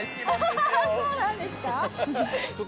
そうなんですか。